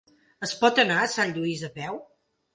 Es pot anar a Sant Lluís a peu?